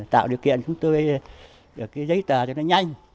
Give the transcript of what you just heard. tạo điều kiện chúng tôi được cái giấy tờ cho nó nhanh